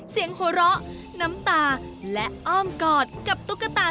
เสียงโหละน้ำตาและอ้อมกอดกับสารพักตุ๊กตา